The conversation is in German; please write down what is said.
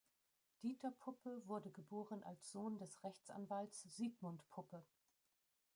Dieter Puppe wurde geboren als Sohn des Rechtsanwalts Siegmund Puppe.